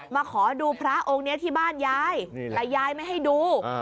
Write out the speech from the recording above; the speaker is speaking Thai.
มาขอดูพระองค์นี้ที่บ้านยายแต่ยายไม่ให้ดู